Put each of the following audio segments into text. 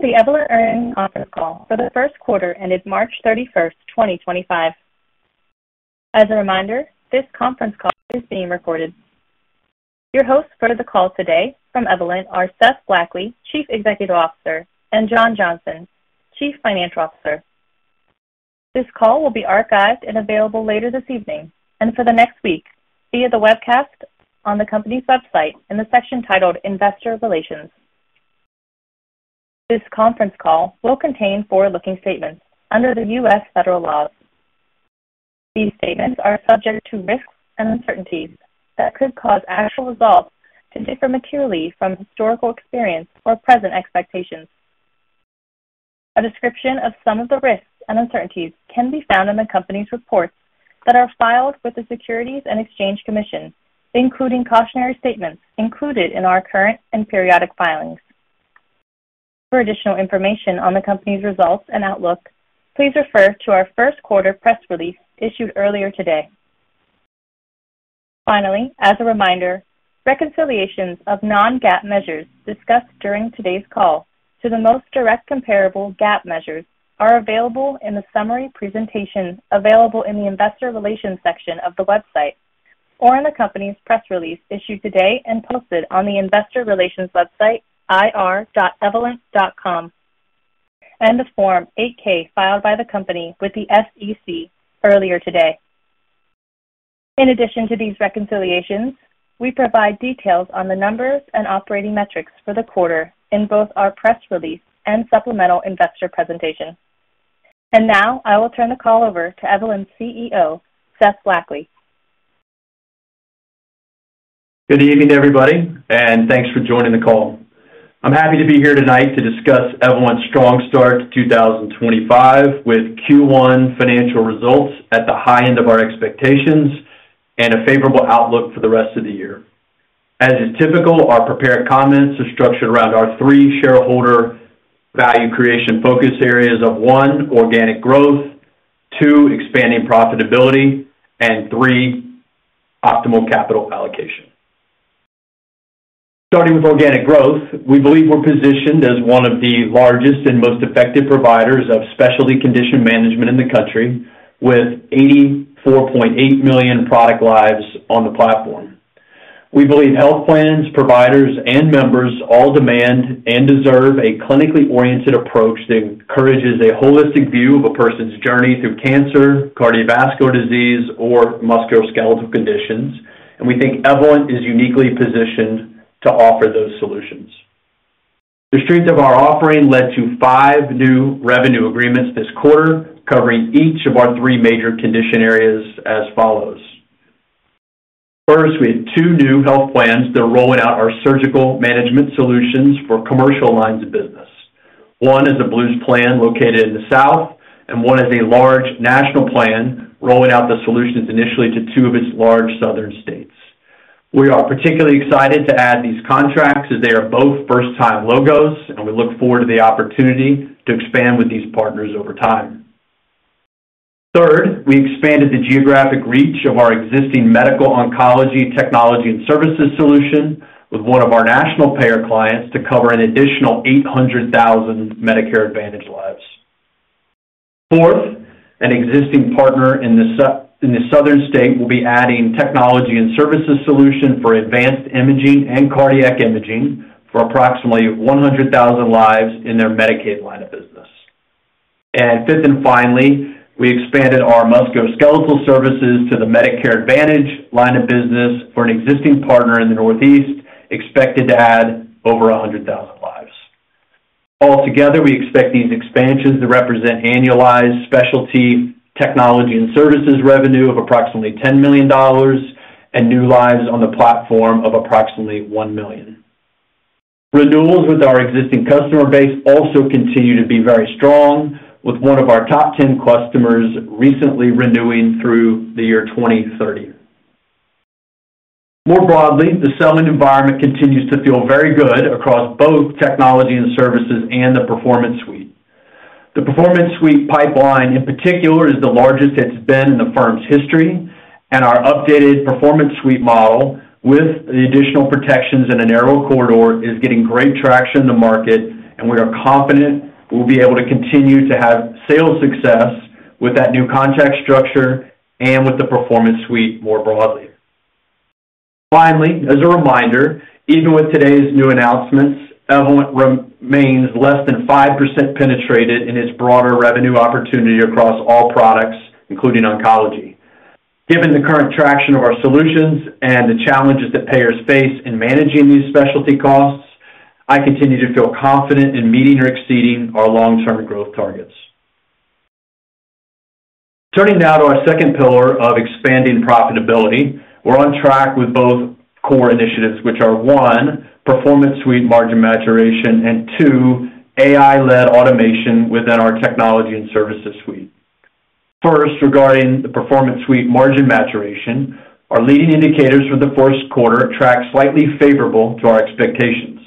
This is the Evolent Health Earnings Conference Call for the first quarter, ended March 31, 2025. As a reminder, this conference call is being recorded. Your hosts for the call today from Evolent Health are Seth Blackley, Chief Executive Officer, and John Johnson, Chief Financial Officer. This call will be archived and available later this evening and for the next week via the webcast on the company's website in the section titled Investor Relations. This conference call will contain forward-looking statements under the U.S. federal laws. These statements are subject to risks and uncertainties that could cause actual results to differ materially from historical experience or present expectations. A description of some of the risks and uncertainties can be found in the company's reports that are filed with the Securities and Exchange Commission, including cautionary statements included in our current and periodic filings. For additional information on the company's results and outlook, please refer to our first quarter press release issued earlier today. Finally, as a reminder, reconciliations of non-GAAP measures discussed during today's call to the most direct comparable GAAP measures are available in the summary presentation available in the Investor Relations section of the website or in the company's press release issued today and posted on the Investor Relations website, ir.evolent.com, and the Form 8-K filed by the company with the SEC earlier today. In addition to these reconciliations, we provide details on the numbers and operating metrics for the quarter in both our press release and supplemental investor presentation. I will now turn the call over to Evolent's CEO, Seth Blackley. Good evening, everybody, and thanks for joining the call. I'm happy to be here tonight to discuss Evolent's strong start to 2025 with Q1 financial results at the high end of our expectations and a favorable outlook for the rest of the year. As is typical, our prepared comments are structured around our three shareholder value creation focus areas of one, organic growth; two, expanding profitability; and three, optimal capital allocation. Starting with organic growth, we believe we're positioned as one of the largest and most effective providers of specialty condition management in the country, with 84.8 million product lives on the platform. We believe health plans, providers, and members all demand and deserve a clinically oriented approach that encourages a holistic view of a person's journey through cancer, cardiovascular disease, or musculoskeletal conditions, and we think Evolent is uniquely positioned to offer those solutions. The strength of our offering led to five new revenue agreements this quarter covering each of our three major condition areas as follows. First, we had two new health plans that are rolling out our surgical management solutions for commercial lines of business. One is a Blues plan located in the south, and one is a large national plan rolling out the solutions initially to two of its large southern states. We are particularly excited to add these contracts as they are both first-time logos, and we look forward to the opportunity to expand with these partners over time. Third, we expanded the geographic reach of our existing medical oncology technology and services solution with one of our national payer clients to cover an additional 800,000 Medicare Advantage lives. Fourth, an existing partner in the southern state will be adding technology and services solution for Advanced Imaging and Cardiac Imaging for approximately 100,000 lives in their Medicaid line of business. Fifth and finally, we expanded our Musculoskeletal Services to the Medicare Advantage line of business for an existing partner in the northeast expected to add over 100,000 lives. Altogether, we expect these expansions to represent annualized Specialty Technology and Services revenue of approximately $10 million and new lives on the platform of approximately 1 million. Renewals with our existing customer base also continue to be very strong, with one of our top 10 customers recently renewing through the year 2030. More broadly, the selling environment continues to feel very good across both technology and services and the Performance Suite. The Performance Suite pipeline, in particular, is the largest it's been in the firm's history, and our updated Performance Suite model with the additional protections and a narrow corridor is getting great traction in the market, and we are confident we'll be able to continue to have sales success with that new contract structure and with the Performance Suite more broadly. Finally, as a reminder, even with today's new announcements, Evolent remains less than 5% penetrated in its broader revenue opportunity across all products, including oncology. Given the current traction of our solutions and the challenges that payers face in managing these specialty costs, I continue to feel confident in meeting or exceeding our long-term growth targets. Turning now to our second pillar of expanding profitability, we're on track with both core initiatives, which are one, Performance Suite margin maturation, and two, AI-led automation within our Technology and Services Suite. First, regarding the Performance Suite margin maturation, our leading indicators for the first quarter track slightly favorable to our expectations.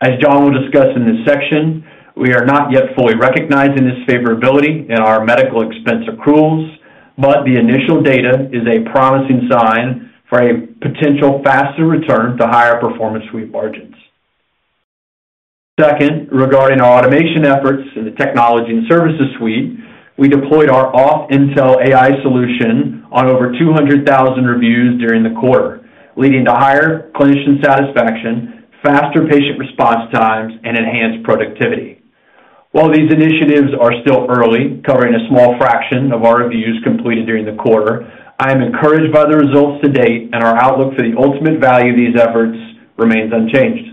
As John will discuss in this section, we are not yet fully recognizing this favorability in our medical expense accruals, but the initial data is a promising sign for a potential faster return to higher Performance Suite margins. Second, regarding our automation efforts in the Technology and Services Suite, we deployed our Auth Intel AI solution on over 200,000 reviews during the quarter, leading to higher clinician satisfaction, faster patient response times, and enhanced productivity. While these initiatives are still early, covering a small fraction of our reviews completed during the quarter, I am encouraged by the results to date, and our outlook for the ultimate value of these efforts remains unchanged.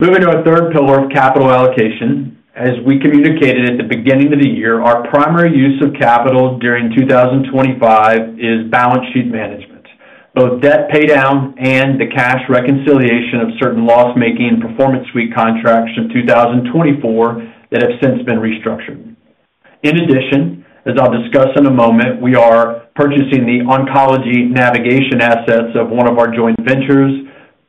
Moving to our third pillar of capital allocation, as we communicated at the beginning of the year, our primary use of capital during 2025 is balance sheet management, both debt paydown and the cash reconciliation of certain loss-making Performance Suite contracts from 2024 that have since been restructured. In addition, as I'll discuss in a moment, we are purchasing the oncology navigation assets of one of our joint ventures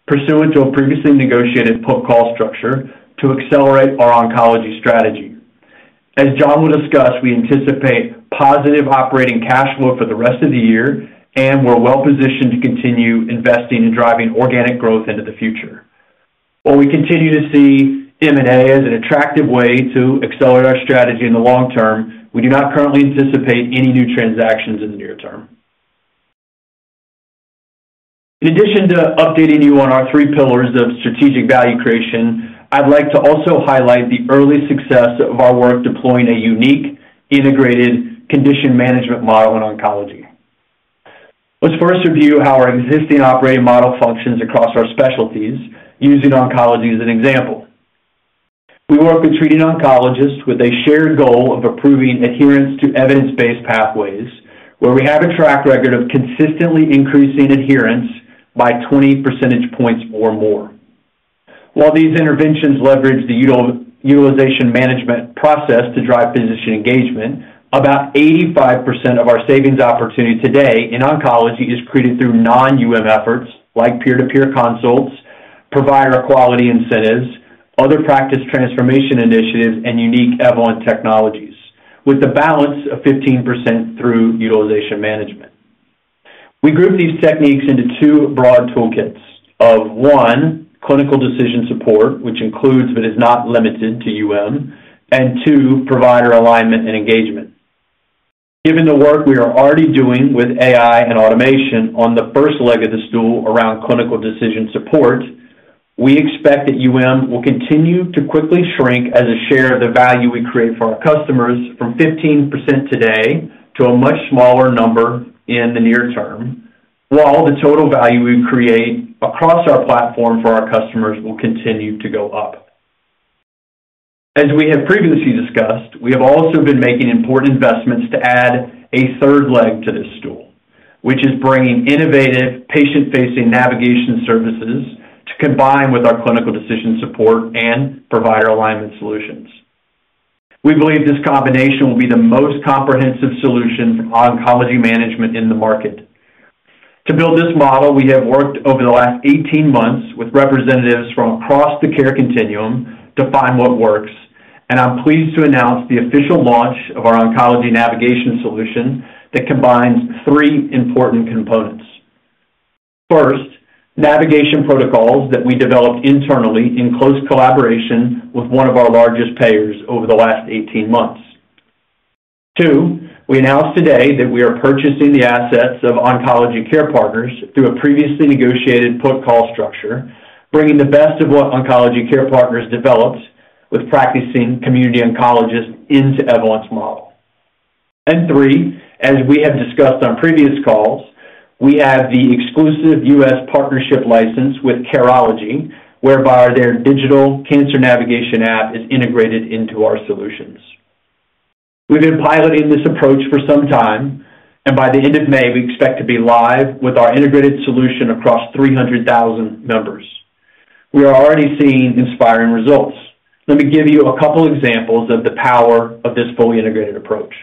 pursuant to a previously negotiated put-call structure to accelerate our oncology strategy. As John will discuss, we anticipate positive operating cash flow for the rest of the year, and we're well positioned to continue investing and driving organic growth into the future. While we continue to see M&A as an attractive way to accelerate our strategy in the long term, we do not currently anticipate any new transactions in the near term. In addition to updating you on our three pillars of strategic value creation, I'd like to also highlight the early success of our work deploying a unique integrated condition management model in oncology. Let's first review how our existing operating model functions across our specialties using oncology as an example. We work with treating oncologists with a shared goal of improving adherence to evidence-based pathways, where we have a track record of consistently increasing adherence by 20 percentage points or more. While these interventions leverage the Utilization Management process to drive physician engagement, about 85% of our savings opportunity today in oncology is created through non-UM efforts like peer-to-peer consults, provider quality incentives, other practice transformation initiatives, and unique Evolent technologies, with the balance of 15% through utilization management. We group these techniques into two broad toolkits of one, clinical decision support, which includes but is not limited to UM, and two, provider alignment and engagement. Given the work we are already doing with AI and automation on the first leg of the stool around clinical decision support, we expect that UM will continue to quickly shrink as a share of the value we create for our customers from 15% today to a much smaller number in the near term, while the total value we create across our platform for our customers will continue to go up. As we have previously discussed, we have also been making important investments to add a third leg to this stool, which is bringing innovative patient-facing navigation services to combine with our clinical decision support and provider alignment solutions. We believe this combination will be the most comprehensive solution to oncology management in the market. To build this model, we have worked over the last 18 months with representatives from across the care continuum to find what works, and I'm pleased to announce the official launch of our oncology navigation solution that combines three important components. First, navigation protocols that we developed internally in close collaboration with one of our largest payers over the last 18 months. Two, we announced today that we are purchasing the assets of Oncology Care Partners through a previously negotiated put-call structure, bringing the best of what Oncology Care Partners developed with practicing community oncologists into Evolent's model. Three, as we have discussed on previous calls, we have the exclusive U.S. partnership license with Careology, whereby their digital cancer navigation app is integrated into our solutions. We've been piloting this approach for some time, and by the end of May, we expect to be live with our integrated solution across 300,000 members. We are already seeing inspiring results. Let me give you a couple of examples of the power of this fully integrated approach.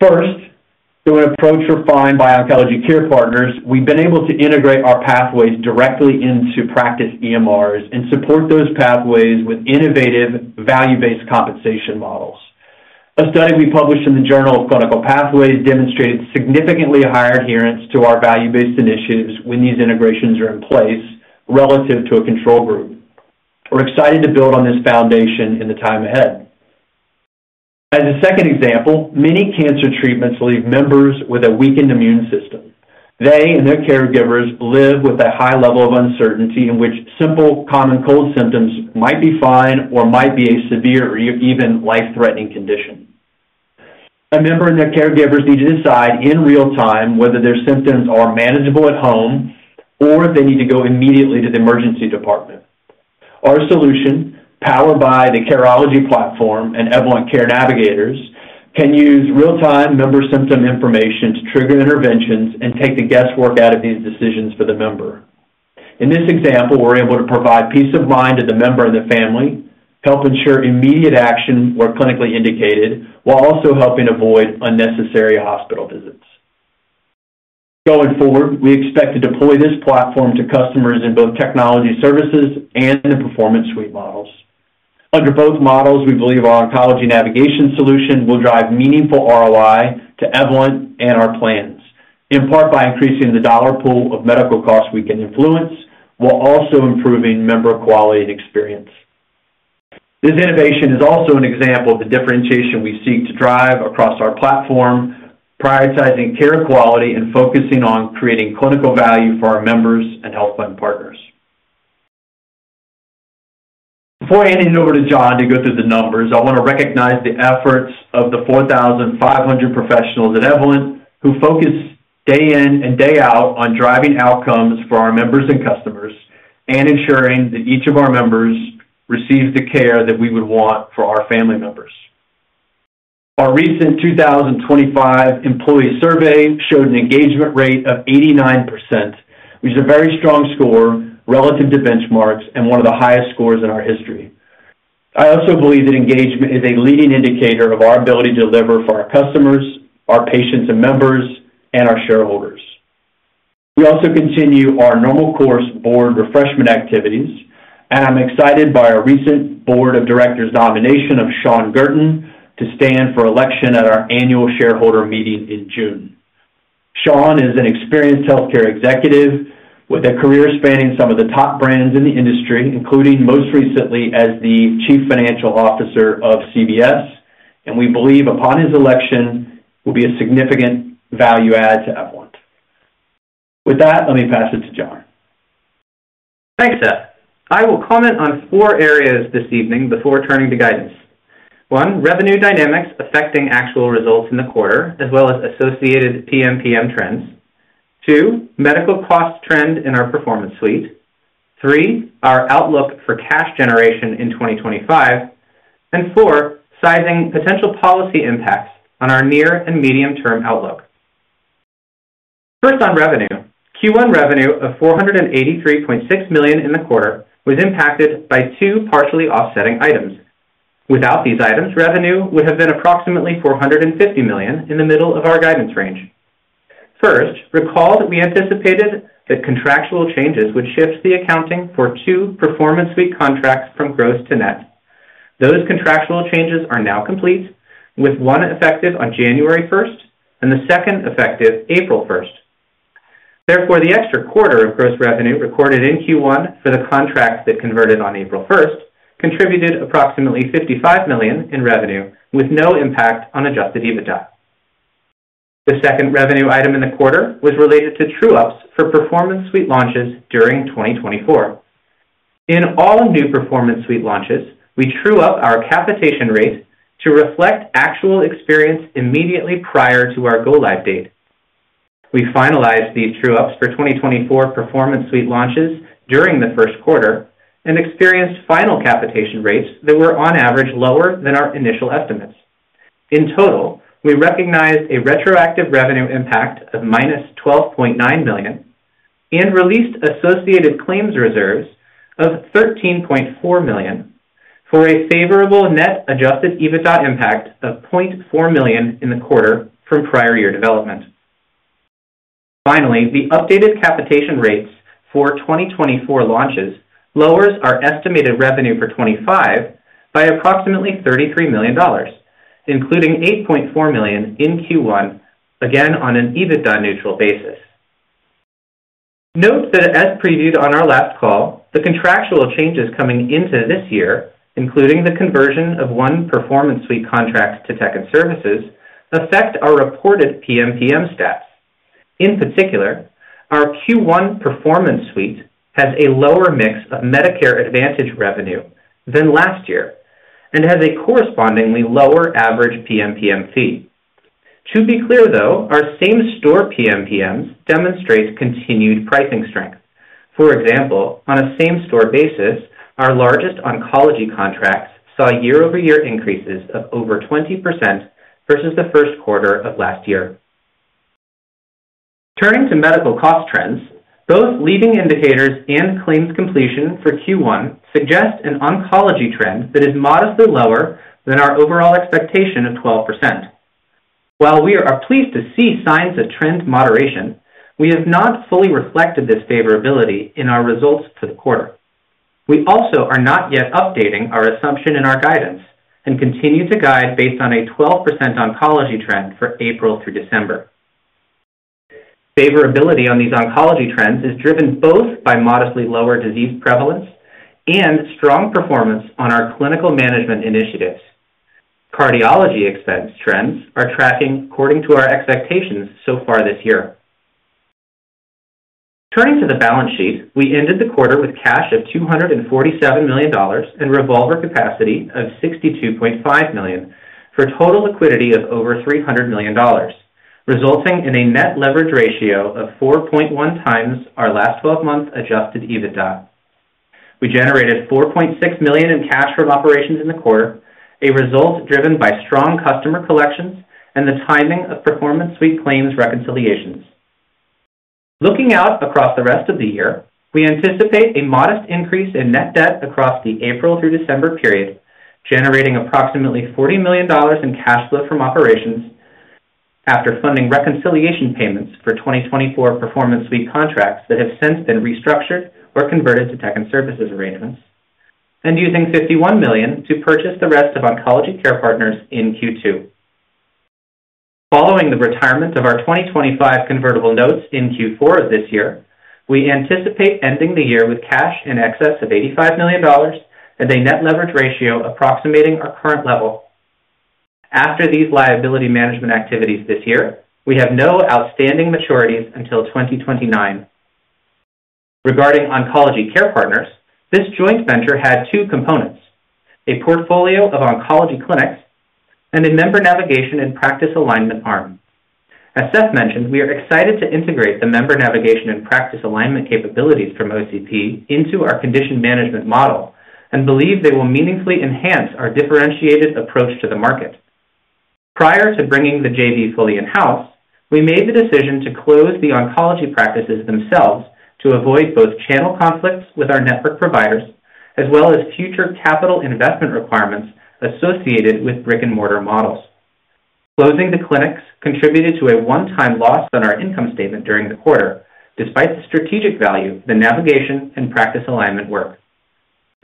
First, through an approach refined by Oncology Care Partners, we've been able to integrate our pathways directly into practice EMRs and support those pathways with innovative value-based compensation models. A study we published in the Journal of Clinical Pathways demonstrated significantly higher adherence to our value-based initiatives when these integrations are in place relative to a control group. We're excited to build on this foundation in the time ahead. As a second example, many cancer treatments leave members with a weakened immune system. They and their caregivers live with a high level of uncertainty in which simple common cold symptoms might be fine or might be a severe or even life-threatening condition. A member and their caregivers need to decide in real time whether their symptoms are manageable at home or if they need to go immediately to the emergency department. Our solution, powered by the Careology platform and Evolent Care navigators, can use real-time member symptom information to trigger interventions and take the guesswork out of these decisions for the member. In this example, we're able to provide peace of mind to the member and the family, help ensure immediate action where clinically indicated, while also helping avoid unnecessary hospital visits. Going forward, we expect to deploy this platform to customers in both technology services and the Performance Suite models. Under both models, we believe our oncology navigation solution will drive meaningful ROI to Evolent and our plans, in part by increasing the dollar pool of medical costs we can influence while also improving member quality and experience. This innovation is also an example of the differentiation we seek to drive across our platform, prioritizing care quality and focusing on creating clinical value for our members and health plan partners. Before I hand it over to John to go through the numbers, I want to recognize the efforts of the 4,500 professionals at Evolent who focus day in and day out on driving outcomes for our members and customers and ensuring that each of our members receives the care that we would want for our family members. Our recent 2025 employee survey showed an engagement rate of 89%, which is a very strong score relative to benchmarks and one of the highest scores in our history. I also believe that engagement is a leading indicator of our ability to deliver for our customers, our patients and members, and our shareholders. We also continue our normal course board refreshment activities, and I'm excited by our recent board of directors nomination of Sean Gerton to stand for election at our annual shareholder meeting in June. Sean is an experienced healthcare executive with a career spanning some of the top brands in the industry, including most recently as the Chief Financial Officer of CVS, and we believe upon his election will be a significant value add to Evolent. With that, let me pass it to John. Thanks, Seth. I will comment on four areas this evening before turning to guidance. One, revenue dynamics affecting actual results in the quarter, as well as associated PMPM trends. Two, medical cost trend in our Performance Suite. Three, our outlook for cash generation in 2025. Four, sizing potential policy impacts on our near and medium-term outlook. First, on revenue. Q1 revenue of $483.6 million in the quarter was impacted by two partially offsetting items. Without these items, revenue would have been approximately $450 million in the middle of our guidance range. First, recall that we anticipated that contractual changes would shift the accounting for two Performance Suite contracts from gross to net. Those contractual changes are now complete, with one effective on January 1 and the second effective April 1. Therefore, the extra quarter of gross revenue recorded in Q1 for the contract that converted on April 1 contributed approximately $55 million in revenue, with no impact on adjusted EBITDA. The second revenue item in the quarter was related to true-ups for Performance Suite launches during 2024. In all new Performance Suite launches, we true-up our capitation rate to reflect actual experience immediately prior to our go-live date. We finalized these true-ups for 2024 Performance Suite launches during the first quarter and experienced final capitation rates that were on average lower than our initial estimates. In total, we recognized a retroactive revenue impact of minus $12.9 million and released associated claims reserves of $13.4 million for a favorable net adjusted EBITDA impact of $0.4 million in the quarter from prior year development. Finally, the updated capitation rates for 2024 launches lowers our estimated revenue for 2025 by approximately $33 million, including $8.4 million in Q1, again on an EBITDA-neutral basis. Note that, as previewed on our last call, the contractual changes coming into this year, including the conversion of one Performance Suite contract to tech and services, affect our reported PMPM stats. In particular, our Q1 Performance Suite has a lower mix of Medicare Advantage revenue than last year and has a correspondingly lower average PMPM fee. To be clear, though, our same-store PMPMs demonstrate continued pricing strength. For example, on a same-store basis, our largest oncology contracts saw year-over-year increases of over 20% versus the first quarter of last year. Turning to medical cost trends, both leading indicators and claims completion for Q1 suggest an oncology trend that is modestly lower than our overall expectation of 12%. While we are pleased to see signs of trend moderation, we have not fully reflected this favorability in our results for the quarter. We also are not yet updating our assumption in our guidance and continue to guide based on a 12% oncology trend for April through December. Favorability on these oncology trends is driven both by modestly lower disease prevalence and strong performance on our clinical management initiatives. Cardiology expense trends are tracking according to our expectations so far this year. Turning to the balance sheet, we ended the quarter with cash of $247 million and revolver capacity of $62.5 million for total liquidity of over $300 million, resulting in a net leverage ratio of 4.1 times our last 12-month adjusted EBITDA. We generated $4.6 million in cash from operations in the quarter, a result driven by strong customer collections and the timing of Performance Suite claims reconciliations. Looking out across the rest of the year, we anticipate a modest increase in net debt across the April through December period, generating approximately $40 million in cash flow from operations after funding reconciliation payments for 2024 Performance Suite contracts that have since been restructured or converted to tech and services arrangements, and using $51 million to purchase the rest of Oncology Care Partners in Q2. Following the retirement of our 2025 convertible notes in Q4 of this year, we anticipate ending the year with cash in excess of $85 million and a net leverage ratio approximating our current level. After these liability management activities this year, we have no outstanding maturities until 2029. Regarding Oncology Care Partners, this joint venture had two components: a portfolio of oncology clinics and a member navigation and practice alignment arm. As Seth mentioned, we are excited to integrate the member navigation and practice alignment capabilities from OCP into our condition management model and believe they will meaningfully enhance our differentiated approach to the market. Prior to bringing the JV fully in-house, we made the decision to close the oncology practices themselves to avoid both channel conflicts with our network providers as well as future capital investment requirements associated with brick-and-mortar models. Closing the clinics contributed to a one-time loss on our income statement during the quarter, despite the strategic value of the navigation and practice alignment work.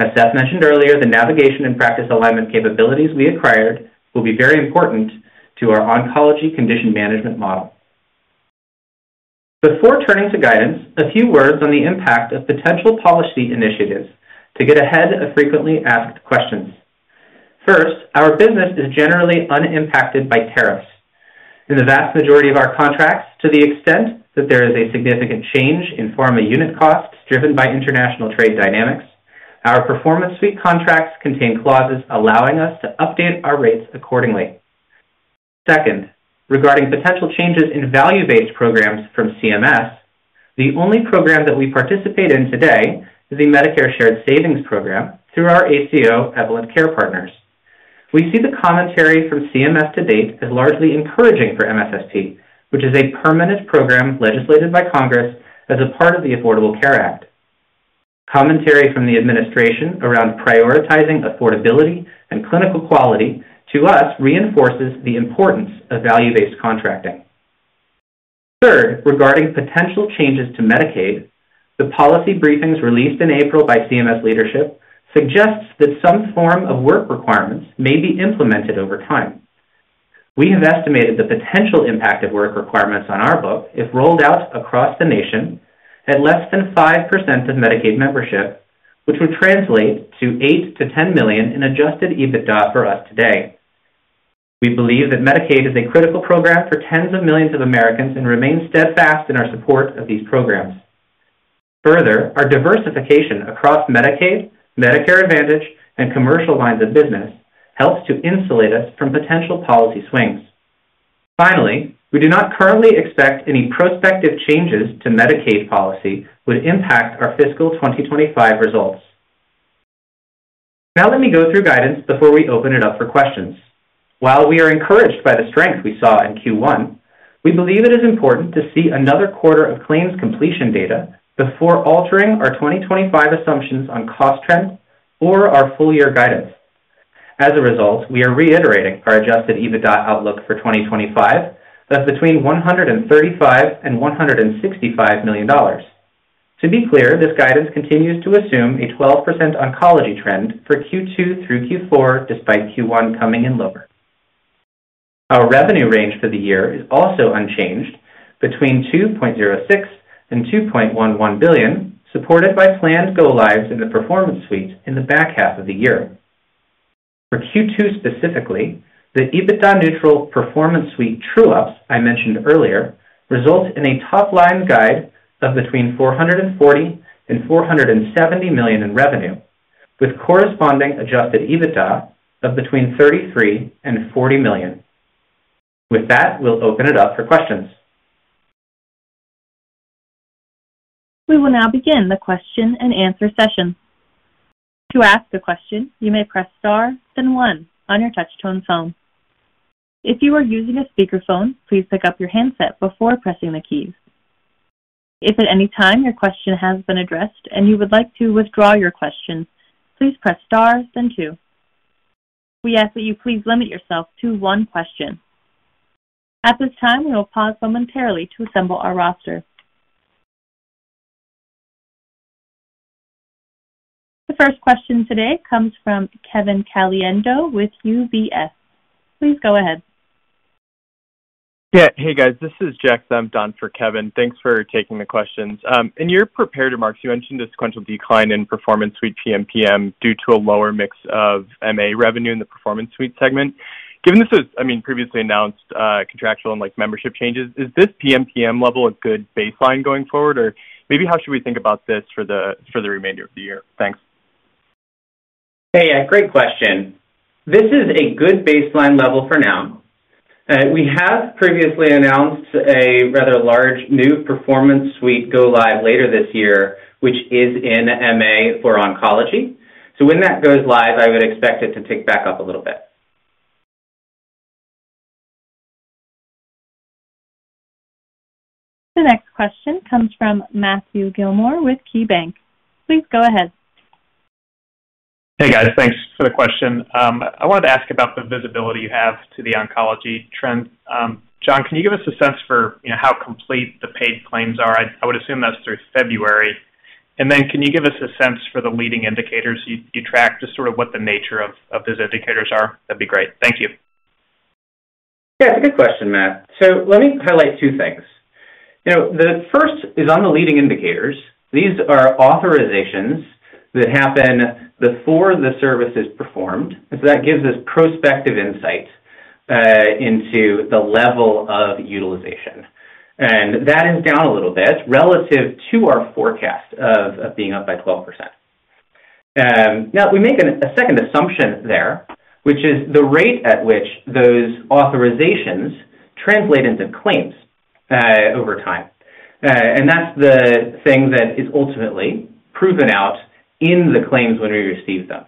As Seth mentioned earlier, the navigation and practice alignment capabilities we acquired will be very important to our oncology condition management model. Before turning to guidance, a few words on the impact of potential policy initiatives to get ahead of frequently asked questions. First, our business is generally unimpacted by tariffs. In the vast majority of our contracts, to the extent that there is a significant change in pharma unit costs driven by international trade dynamics, our Performance Suite contracts contain clauses allowing us to update our rates accordingly. Second, regarding potential changes in value-based programs from CMS, the only program that we participate in today is the Medicare Shared Savings Program through our ACO Evolent Care Partners. We see the commentary from CMS to date as largely encouraging for MSSP, which is a permanent program legislated by Congress as a part of the Affordable Care Act. Commentary from the administration around prioritizing affordability and clinical quality to us reinforces the importance of value-based contracting. Third, regarding potential changes to Medicaid, the policy briefings released in April by CMS leadership suggest that some form of work requirements may be implemented over time. We have estimated the potential impact of work requirements on our book if rolled out across the nation at less than 5% of Medicaid membership, which would translate to $8-$10 million in adjusted EBITDA for us today. We believe that Medicaid is a critical program for tens of millions of Americans and remain steadfast in our support of these programs. Further, our diversification across Medicaid, Medicare Advantage, and commercial lines of business helps to insulate us from potential policy swings. Finally, we do not currently expect any prospective changes to Medicaid policy would impact our fiscal 2025 results. Now, let me go through guidance before we open it up for questions. While we are encouraged by the strength we saw in Q1, we believe it is important to see another quarter of claims completion data before altering our 2025 assumptions on cost trend or our full-year guidance. As a result, we are reiterating our adjusted EBITDA outlook for 2025, that's between $135 million and $165 million. To be clear, this guidance continues to assume a 12% oncology trend for Q2 through Q4, despite Q1 coming in lower. Our revenue range for the year is also unchanged, between $2.06 billion and $2.11 billion, supported by planned go-lives in the Performance Suite in the back half of the year. For Q2 specifically, the EBITDA-neutral Performance Suite true-ups I mentioned earlier result in a top-line guide of between $440 million and $470 million in revenue, with corresponding adjusted EBITDA of between $33 million and $40 million. With that, we'll open it up for questions. We will now begin the question and answer session. To ask a question, you may press star then one on your touch-tone phone. If you are using a speakerphone, please pick up your handset before pressing the keys. If at any time your question has been addressed and you would like to withdraw your question, please press star then two. We ask that you please limit yourself to one question. At this time, we will pause momentarily to assemble our roster. The first question today comes from Kevin Caliendo with UBS. Please go ahead. Hey, guys. This is Jeff. I'm on for Kevin. Thanks for taking the questions. In your prepared remarks, you mentioned a sequential decline in Performance Suite PMPM due to a lower mix of MA revenue in the Performance Suite segment. Given this was, I mean, previously announced contractual and membership changes, is this PMPM level a good baseline going forward? Or maybe how should we think about this for the remainder of the year? Thanks. Great question. This is a good baseline level for now. We have previously announced a rather large new Performance Suite go-live later this year, which is in MA for oncology. When that goes live, I would expect it to tick back up a little bit. The next question comes from Matthew Gillmor with KeyBank. Please go ahead. Hey, guys. Thanks for the question. I wanted to ask about the visibility you have to the oncology trends. John, can you give us a sense for how complete the paid claims are? I would assume that's through February. Can you give us a sense for the leading indicators you track, just sort of what the nature of those indicators are? That'd be great. Thank you. That's a good question, Matt. Let me highlight two things. The first is on the leading indicators. These are authorizations that happen before the service is performed. That gives us prospective insight into the level of utilization. That is down a little bit relative to our forecast of being up by 12%. Now, we make a second assumption there, which is the rate at which those authorizations translate into claims over time. That is the thing that is ultimately proven out in the claims when we receive them.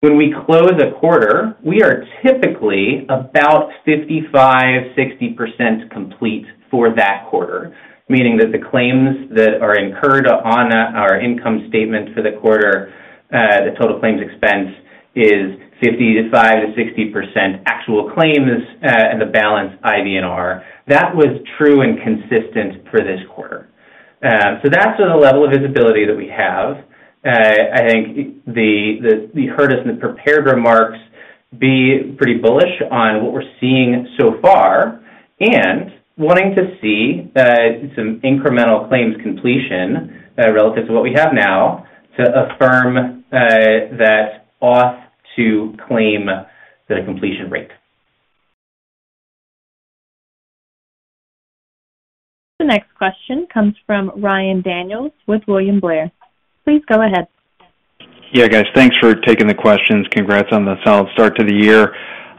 When we close a quarter, we are typically about 55-60% complete for that quarter, meaning that the claims that are incurred on our income statement for the quarter, the total claims expense is 55-60% actual claims and the balance IBNR. That was true and consistent for this quarter. That is the level of visibility that we have. you heard us in the prepared remarks be pretty bullish on what we're seeing so far and wanting to see some incremental claims completion relative to what we have now to affirm that auth-to-claim the completion rate. The next question comes from Ryan Daniels with William Blair. Please go ahead. Yeah, guys. Thanks for taking the questions. Congrats on the solid start to the year.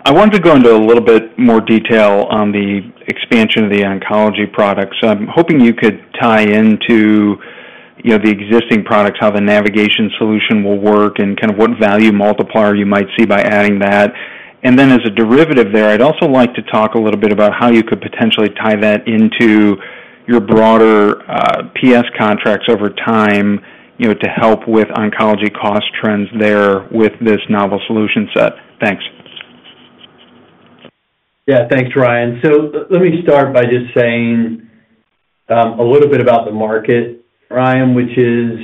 I wanted to go into a little bit more detail on the expansion of the oncology products. I'm hoping you could tie into the existing products, how the navigation solution will work, and kind of what value multiplier you might see by adding that. And then as a derivative there, I'd also like to talk a little bit about how you could potentially tie that into your broader PS contracts over time to help with oncology cost trends there with this novel solution set. Thanks. Thanks, Ryan. Let me start by just saying a little bit about the market, Ryan, which is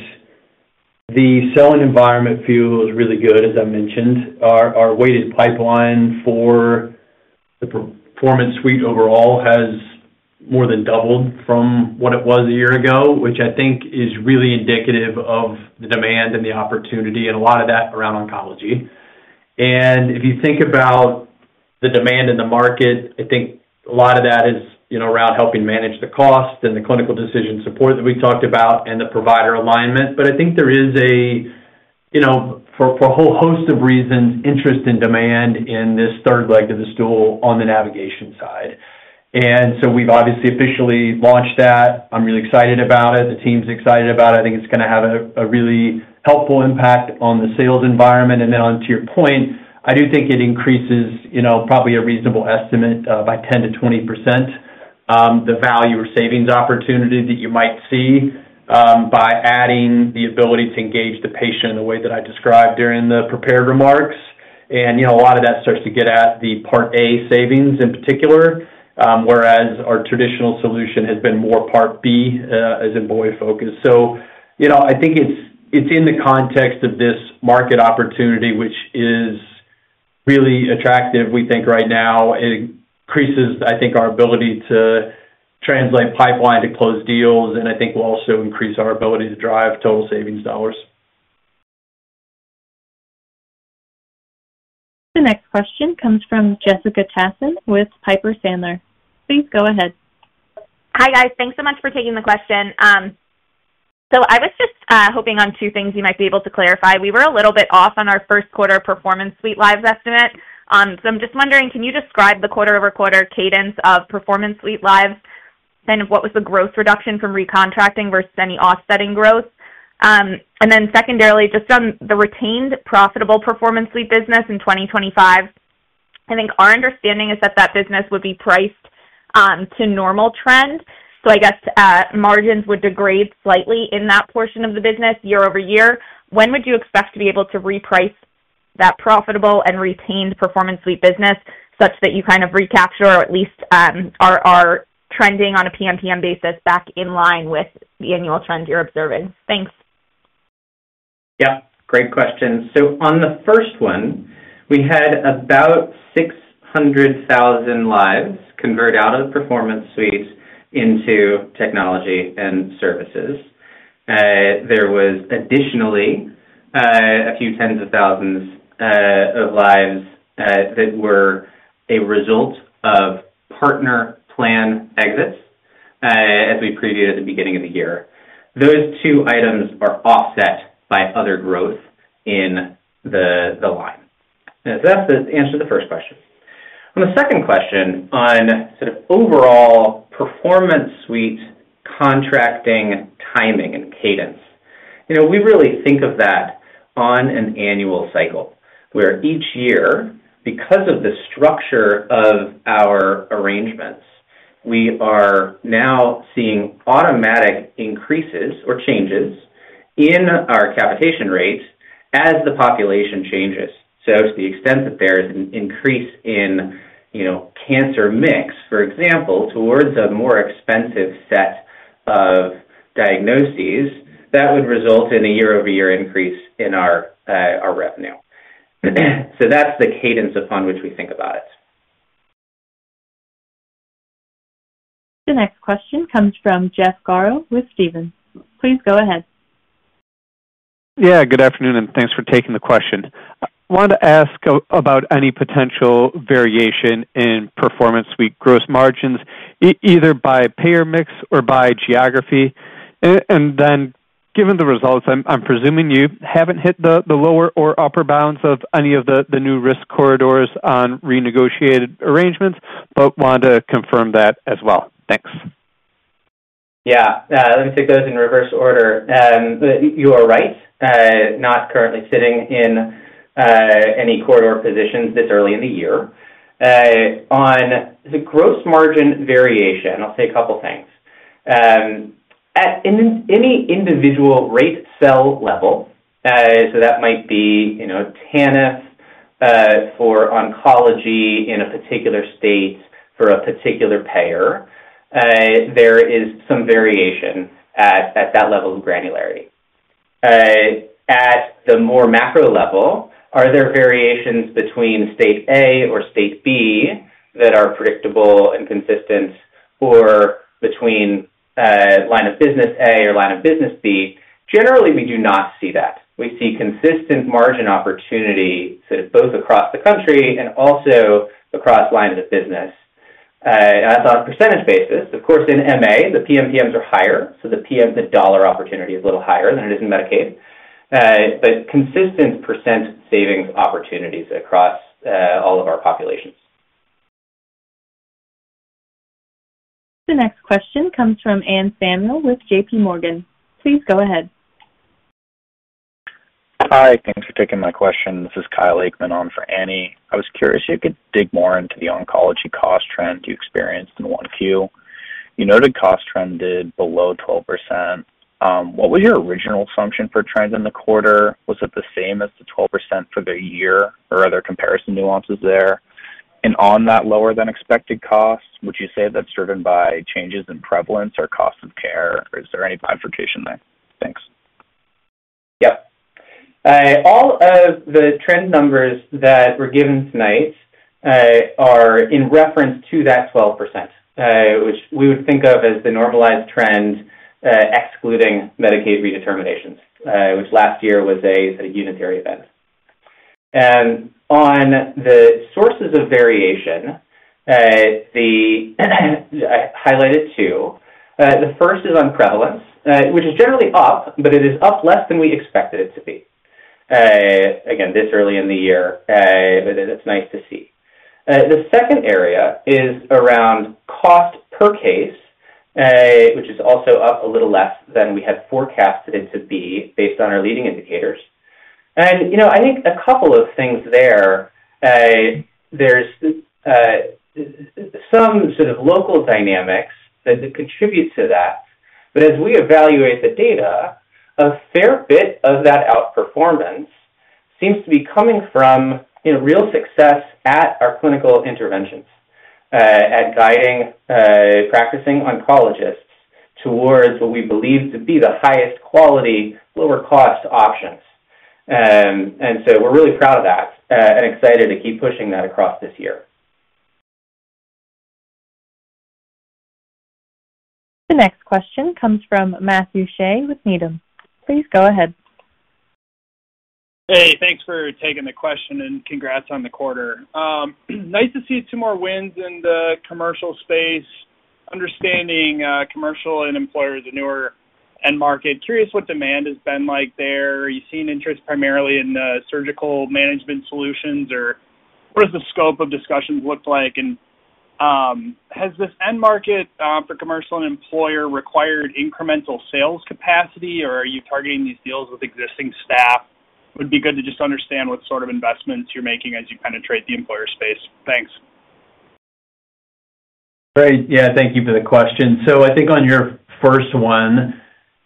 the selling environment feels really good, as I mentioned. Our weighted pipeline for the Performance Suite overall has more than doubled from what it was a year ago, which is really indicative of the demand and the opportunity and a lot of that around oncology. If you think about the demand in the market, a lot of that is around helping manage the cost and the clinical decision support that we talked about and the provider alignment. There is, for a whole host of reasons, interest in demand in this third leg of the stool on the navigation side. We have obviously officially launched that. I'm really excited about it. The team's excited about it. It's going to have a really helpful impact on the sales environment. Onto your point, I do think it increases probably a reasonable estimate by 10%-20% the value or savings opportunity that you might see by adding the ability to engage the patient in the way that I described during the prepared remarks. A lot of that starts to get at the Part A savings in particular, whereas our traditional solution has been more Part B, as in boy, focus. It's in the context of this market opportunity, which is really attractive, we think, right now. It increases, our ability to translate pipeline to close deals, and will also increase our ability to drive total savings dollars. The next question comes from Jessica Tassan with Piper Sandler. Please go ahead. Hi, guys. Thanks so much for taking the question. I was just hoping on two things you might be able to clarify. We were a little bit off on our first quarter Performance Suite lives estimate. I am just wondering, can you describe the quarter-over-quarter cadence of Performance Suite lives? Kind of what was the gross reduction from recontracting versus any offsetting growth? Then secondarily, just on the retained profitable Performance Suite business in 2025, our understanding is that that business would be priced to normal trend. I guess margins would degrade slightly in that portion of the business year over year. When would you expect to be able to reprice that profitable and retained Performance Suite business such that you kind of recapture or at least are trending on a PMPM basis back in line with the annual trend you're observing? Thanks. Great question. On the first one, we had about 600,000 lives convert out of the Performance Suite into Technology and Services. There was additionally a few tens of thousands of lives that were a result of partner plan exits as we previewed at the beginning of the year. Those two items are offset by other growth in the line. That's the answer to the first question. On the second question, on sort of overall Performance Suite contracting timing and cadence, we really think of that on an annual cycle where each year, because of the structure of our arrangements, we are now seeing automatic increases or changes in our capitation rate as the population changes. To the extent that there is an increase in cancer mix, for example, towards a more expensive set of diagnoses, that would result in a year-over-year increase in our revenue. That is the cadence upon which we think about it. The next question comes from Jeff Garro with Stephens. Please go ahead. Yeah. Good afternoon, and thanks for taking the question. I wanted to ask about any potential variation in Performance Suite gross margins, either by payer mix or by geography. Given the results, I'm presuming you haven't hit the lower or upper bounds of any of the new risk corridors on renegotiated arrangements, but wanted to confirm that as well. Thanks. Let me take those in reverse order. You are right, not currently sitting in any corridor positions this early in the year. On the gross margin variation, I'll say a couple of things. At any individual rate cell level, so that might be TANF for oncology in a particular state for a particular payer, there is some variation at that level of granularity. At the more macro level, are there variations between State A or State B that are predictable and consistent, or between line-of-business A or line-of-business B? Generally, we do not see that. We see consistent margin opportunity both across the country and also across lines of business. That's on a percentage basis. Of course, in MA, the PMPMs are higher. So the dollar opportunity is a little higher than it is in Medicaid. But consistent percent savings opportunities across all of our populations. The next question comes from Ann Samuel with JP Morgan. Please go ahead. Hi. Thanks for taking my question. This is Kyle Aikman on for Annie. I was curious if you could dig more into the oncology cost trend you experienced in Q1. You noted cost trend did below 12%. What was your original assumption for trend in the quarter? Was it the same as the 12% for the year, or are there comparison nuances there? And on that lower-than-expected cost, would you say that's driven by changes in prevalence or cost of care? Is there any bifurcation there? Thanks. All of the trend numbers that were given tonight are in reference to that 12%, which we would think of as the normalized trend excluding Medicaid redeterminations, which last year was a unitary event. On the sources of variation, I highlighted two. The first is on prevalence, which is generally up, but it is up less than we expected it to be, again, this early in the year, but it's nice to see. The second area is around cost-per-case, which is also up a little less than we had forecasted it to be based on our leading indicators. A couple of things there. There are some sort of local dynamics that contribute to that. As we evaluate the data, a fair bit of that outperformance seems to be coming from real success at our clinical interventions, at guiding practicing oncologists towards what we believe to be the highest quality, lower-cost options. We are really proud of that and excited to keep pushing that across this year. The next question comes from Matthew Shea with Needham. Please go ahead. Thanks for taking the question and congrats on the quarter. Nice to see some more wins in the commercial space. Understanding commercial and employer is a newer end market. Curious what demand has been like there. Are you seeing interest primarily in surgical management solutions, or what does the scope of discussions look like? Has this end market for commercial and employer required incremental sales capacity, or are you targeting these deals with existing staff? It would be good to just understand what sort of investments you're making as you penetrate the employer space. Thanks. Great. Thank you for the question. On your first one,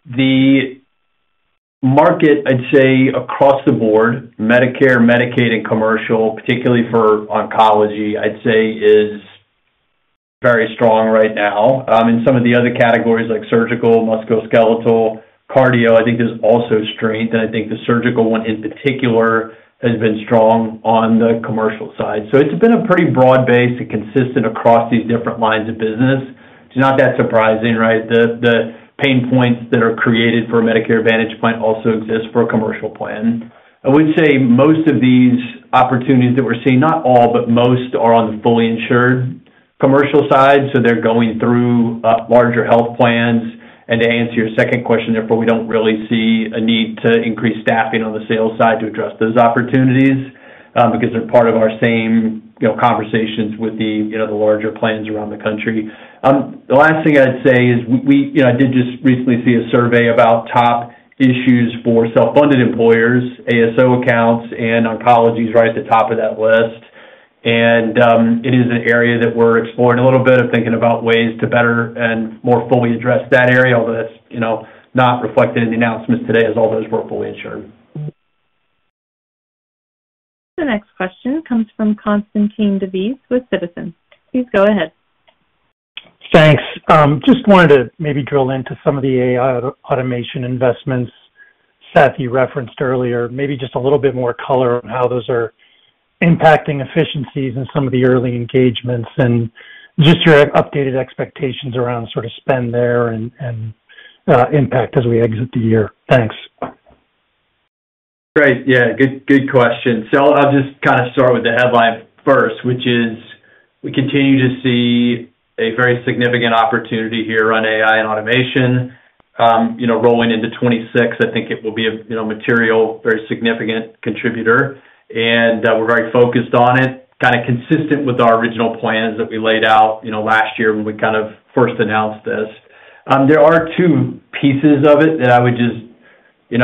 the market, I'd say, across the board, Medicare, Medicaid, and commercial, particularly for oncology, I'd say, is very strong right now. In some of the other categories like surgical, musculoskeletal, cardio, there's also strength. The surgical one in particular has been strong on the commercial side. It's been pretty broad-based and consistent across these different lines of business. It's not that surprising, right? The pain points that are created for Medicare Advantage might also exist for a commercial plan. I would say most of these opportunities that we're seeing, not all, but most, are on the fully insured commercial side. They're going through larger health plans. To answer your second question, therefore, we do not really see a need to increase staffing on the sales side to address those opportunities because they are part of our same conversations with the larger plans around the country. The last thing I would say is I did just recently see a survey about top issues for self-funded employers, ASO accounts, and oncology is right at the top of that list. It is an area that we are exploring a little bit, thinking about ways to better and more fully address that area, although that is not reflected in the announcements today as all those were fully insured. The next question comes from Constantine Davides with Citizens. Please go ahead. Thanks. Just wanted to maybe drill into some of the AI automation investments, Seth, you referenced earlier. Maybe just a little bit more color on how those are impacting efficiencies and some of the early engagements and just your updated expectations around sort of spend there and impact as we exit the year. Thanks. Great. Good question. I'll just kind of start with the headline first, which is we continue to see a very significant opportunity here on AI and automation rolling into 2026. It will be a material, very significant contributor. We're very focused on it, kind of consistent with our original plans that we laid out last year when we kind of first announced this. There are two pieces of it that I would just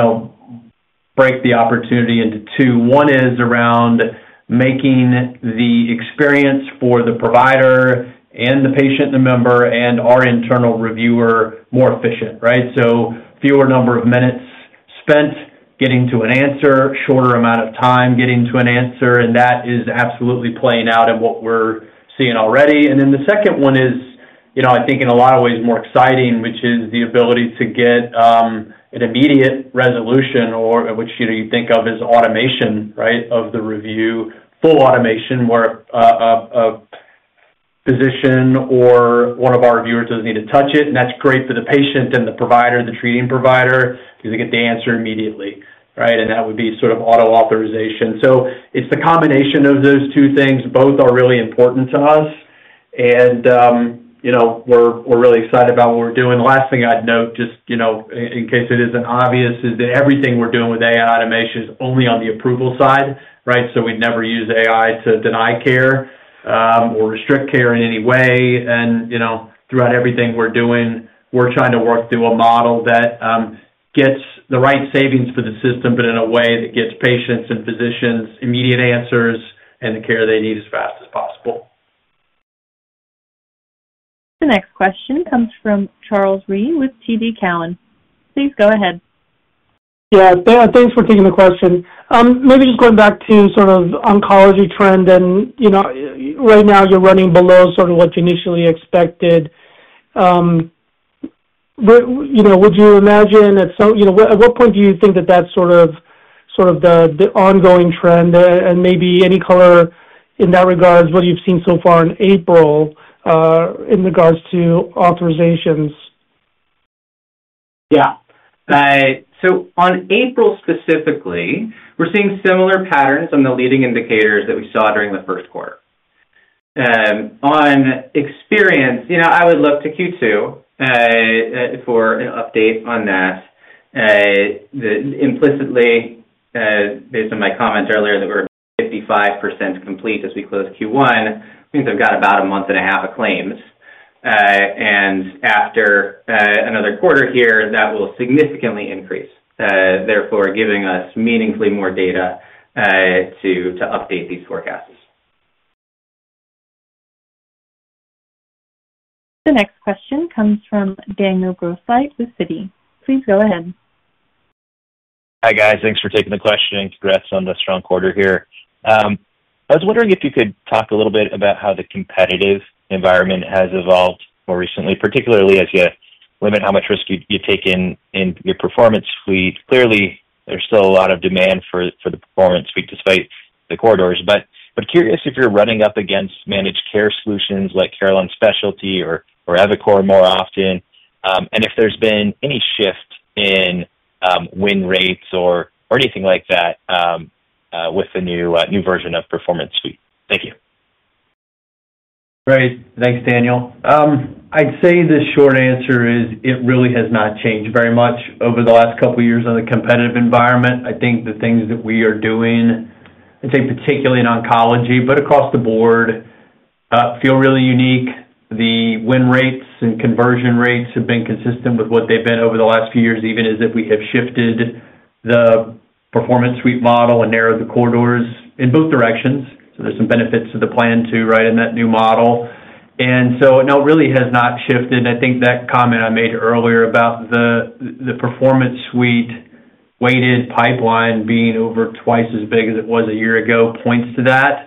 break the opportunity into two. One is around making the experience for the provider and the patient, the member and our internal reviewer more efficient, right? Fewer number of minutes spent getting to an answer, shorter amount of time getting to an answer. That is absolutely playing out in what we're seeing already. The second one is, in a lot of ways, more exciting, which is the ability to get an immediate resolution, which you think of as automation of the review, full automation where a physician or one of our reviewers doesn't need to touch it. That's great for the patient and the provider, the treating provider, because they get the answer immediately. That would be sort of auto authorization. It's the combination of those two things. Both are really important to us. We're really excited about what we're doing. The last thing I'd note, just in case it isn't obvious, is that everything we're doing with AI automation is only on the approval side. We never use AI to deny care or restrict care in any way. Throughout everything we're doing, we're trying to work through a model that gets the right savings for the system, but in a way that gets patients and physicians immediate answers and the care they need as fast as possible. The next question comes from Charles Rhyee with TD Cowen. Please go ahead. Thanks for taking the question. Maybe just going back to sort of oncology trend. Right now, you're running below what you initially expected. Would you imagine at what point do you think that that's the ongoing trend? Maybe any color in that regard is what you've seen so far in April in regards to authorizations. On April specifically, we're seeing similar patterns on the leading indicators that we saw during the first quarter. On experience, I would look to Q2 for an update on that. Implicitly, based on my comments earlier that we're 55% complete as we close Q1, means I've got about a month-and-a-half of claims. After another quarter here, that will significantly increase, therefore giving us meaningfully more data to update these forecasts. The next question comes from Daniel Grosslight with Citi. Please go ahead. Hi guys. Thanks for taking the question. Congrats on the strong quarter here. I was wondering if you could talk a little bit about how the competitive environment has evolved more recently, particularly as you limit how much risk you take in your Performance Suite. Clearly, there's still a lot of demand for the Performance Suite despite the corridors. Curious if you're running up against managed care solutions like Carelon Specialty or Avicor more often, and if there's been any shift in win rates or anything like that with the new version of Performance Suite. Thank you. Great. Thanks, Daniel. I'd say the short answer is it really has not changed very much over the last couple of years in the competitive environment. The things that we are doing, I'd say particularly in oncology, but across the board, feel really unique. The win rates and conversion rates have been consistent with what they've been over the last few years, even as we have shifted the Performance Suite model and narrowed the corridors in both directions. There are some benefits to the plan too in that new model. It really has not shifted. That comment I made earlier about the Performance Suite-weighted pipeline being over twice as big as it was a year ago points to that.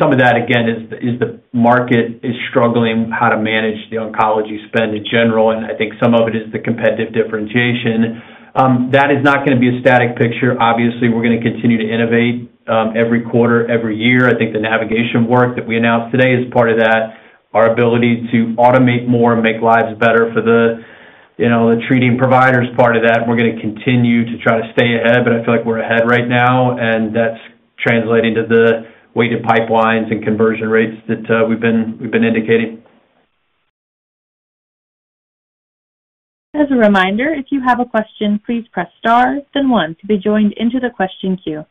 Some of that, again, is the market is struggling with how to manage the oncology spend in general. Some of it is the competitive differentiation. That is not going to be a static picture. Obviously, we're going to continue to innovate every quarter, every year. The navigation work that we announced today is part of that. Our ability to automate more and make lives better for the treating providers, part of that. We're going to continue to try to stay ahead, but I feel like we're ahead right now. That's translating to the weighted pipelines and conversion rates that we've been indicating. As a reminder, if you have a question, please press star, then one to be joined into the question queue.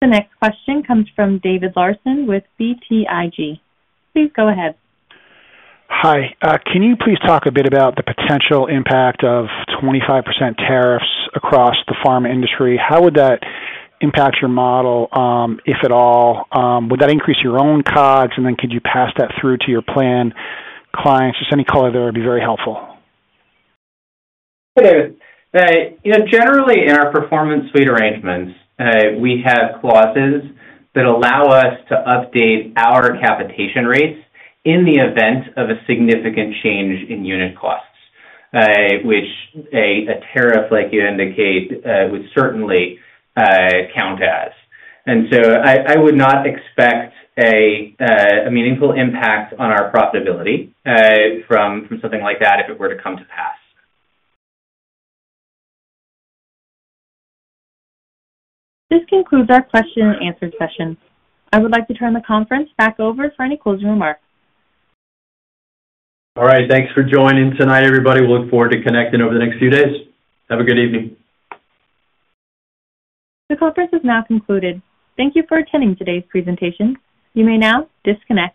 The next question comes from David Larsen with BTIG. Please go ahead. Hi. Can you please talk a bit about the potential impact of 25% tariffs across the pharma industry? How would that impact your model, if at all? Would that increase your own costs? Could you pass that through to your plan clients? Any color there would be very helpful. Hey, Dave. Generally, in our Performance Suite arrangements, we have clauses that allow us to update our capitation rates in the event of a significant change in unit costs, which a tariff like you indicate would certainly count as. I would not expect a meaningful impact on our profitability from something like that if it were to come to pass. This concludes our question-and-answer session. I would like to turn the conference back over for any closing remarks. All right. Thanks for joining tonight, everybody. We'll look forward to connecting over the next few days. Have a good evening. The conference is now concluded. Thank you for attending today's presentation. You may now disconnect.